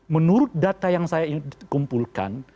menurut data yang saya kumpulkan